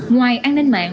ngoài an ninh mạng